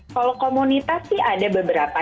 kalau komunitas sih ada beberapa